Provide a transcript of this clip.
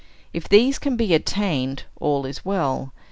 If these can be obtained, all is well.